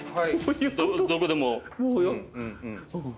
どこでも。